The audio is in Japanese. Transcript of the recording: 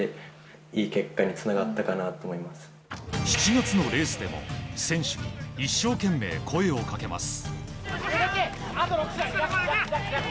７月のレースでも選手に一生懸命、声をかけます。